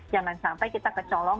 jangan sampai kita kelepasan